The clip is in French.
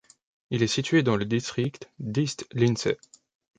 Il est situé dans le district d'East Lindsey.